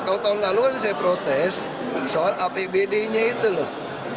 kalau tahun lalu kan saya protes soal apbd nya itu loh